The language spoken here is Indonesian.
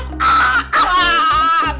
enggak enggak enggak